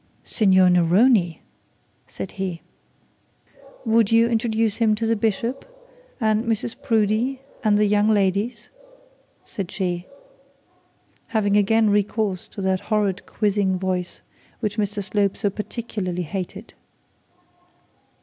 'Signor Neroni!' said he. 'Would you introduce him to the bishop, and Mrs Proudie, and the young ladies?' said she, again having recourse to that horrid quizzing voice which Mr Slope so particularly hated.